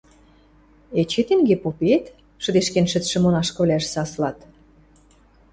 – Эче тенге попе-эт?! – шӹдешкен шӹцшӹ монашкывлӓжӹ саслат.